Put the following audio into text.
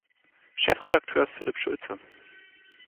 Chefredakteur ist Philipp Schulze.